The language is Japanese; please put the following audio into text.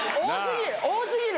多過ぎる！